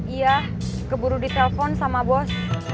iya keburu di telpon sama bos